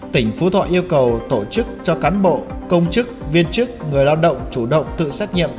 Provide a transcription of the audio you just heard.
tỉnh phú thọ yêu cầu tổ chức cho cán bộ công chức viên chức người lao động chủ động tự xét nghiệm